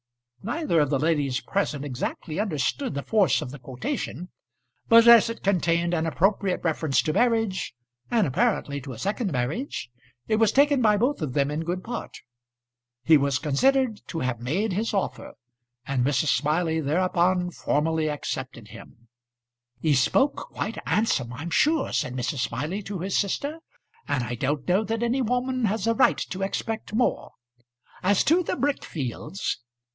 Neither of the ladies present exactly understood the force of the quotation; but as it contained an appropriate reference to marriage, and apparently to a second marriage, it was taken by both of them in good part. He was considered to have made his offer, and Mrs. Smiley thereupon formally accepted him. "He's spoke quite handsome, I'm sure," said Mrs. Smiley to his sister; "and I don't know that any woman has a right to expect more. As to the brick fields